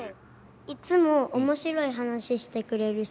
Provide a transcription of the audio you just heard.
いつもおもしろい話してくれるし。